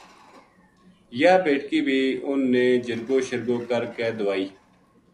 یاہ بیٹکی بھی ان نے جرگو شرگوکر کے دوائی